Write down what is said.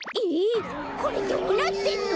これどうなってんの？